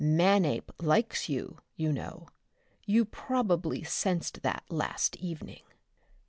Manape likes you, you know. You probably sensed that last evening?"